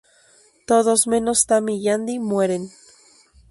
Todos menos Tammy y Andy mueren.